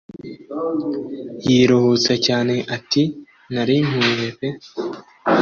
yiruhutsa cyane ati narimpuye pe